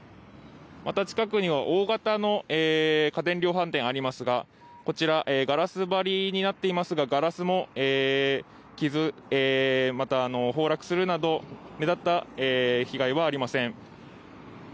また近くには大型の家電量販店がありますがこちら、ガラス張りになっていますが、ガラスも傷、また崩落するなど目立った被害はありません。